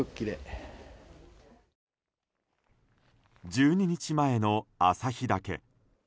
１２日前の旭岳。